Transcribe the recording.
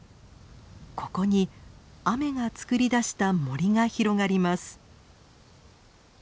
ここに雨がつくり出した森が広がります。